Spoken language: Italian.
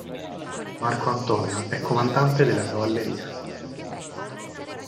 Marco Antonio è comandante della cavalleria.